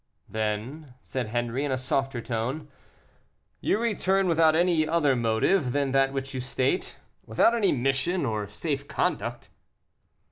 "Then," said Henri, in a softer tone, "you return without any other motive than that which you state; without any mission, or safe conduct?"